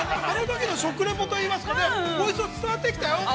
あれだけの食レポといいますか、おいしさ伝わってきたよ。